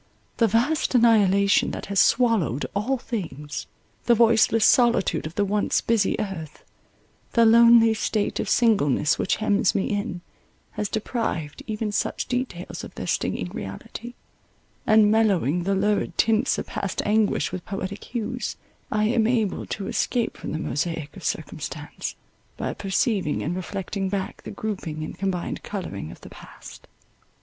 The vast annihilation that has swallowed all things—the voiceless solitude of the once busy earth—the lonely state of singleness which hems me in, has deprived even such details of their stinging reality, and mellowing the lurid tints of past anguish with poetic hues, I am able to escape from the mosaic of circumstance, by perceiving and reflecting back the grouping and combined colouring of the past.